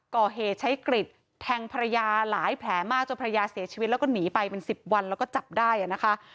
ก่อเหตุใช้กริดแทงภรรยาหลายแผลมากจนภรรยาเสียชีวิตแล้วก็หนีไปเป็น๑๐วันแล้วก็จับได้นะคะ